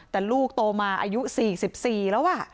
แต่ลูกโตมาอายุ๔๔แล้ว